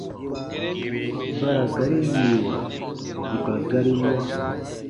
Ba ra gari yiiwa bù ka gari ma.